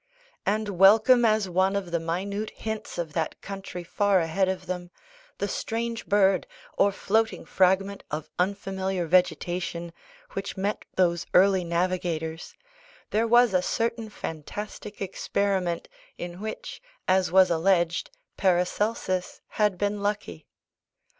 And welcome as one of the minute hints of that country far ahead of them, the strange bird, or floating fragment of unfamiliar vegetation, which met those early navigators, there was a certain fantastic experiment, in which, as was alleged, Paracelsus had been lucky.